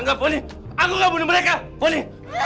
enggak poni aku gak bunuh mereka poni